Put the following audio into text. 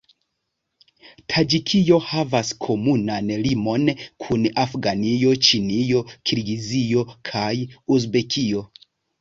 Taĝikio havas komunan limon kun Afganio, Ĉinio, Kirgizio kaj Uzbekio.